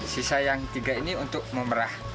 sisa yang tiga ini untuk memerah